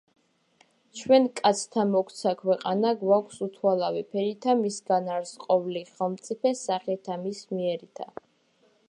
ჩვენ, კაცთა, მოგვცა ქვეყანა, გვაქვს უთვალავი ფერითა, მისგან არს ყოვლი ხელმწიფე სახითა მის მიერითა.